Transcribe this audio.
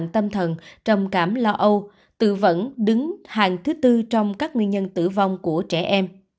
tâm thần trầm cảm lo âu tự vẫn đứng hàng thứ tư trong các nguyên nhân tử vong của trẻ em